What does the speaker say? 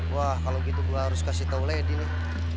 wah kalo gitu gua harus kasih tau lady nih